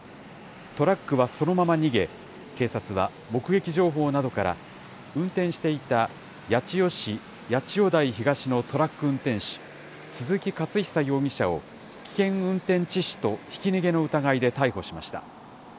トラックはそのまま逃げ、警察は目撃情報などから、運転していた八千代市八千代台東のトラック運転手、鈴木勝久容疑者を危険運転致死とひき逃げの疑いで逮捕しました。